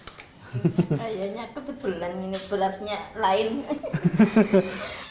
nah ini saya anggap sudah jadi tapi coba bu dilihat hasilnya